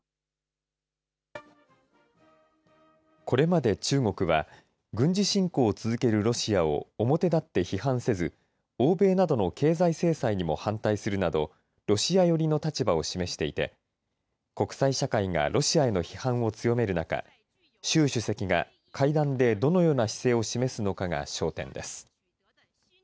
これまで中国は軍事侵攻を続けるロシアを表だって批判せず欧米などの経済制裁にも反対するなどロシア寄りの立場を示していて国際社会がロシアへの批判を強める中習主席が会談でどのような姿勢を示すのかが焦点です。